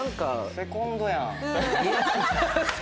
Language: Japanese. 「セコンドやん」。